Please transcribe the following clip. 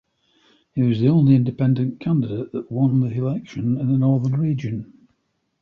He was the only independent candidate that won the election in the Northern Region.